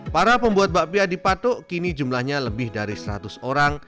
para pembuat bakpia di patok kini jumlahnya lebih dari seratus orang